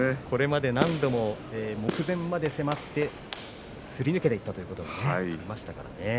これまで何度も目前まで迫ってすり抜けていったということがありましたからね。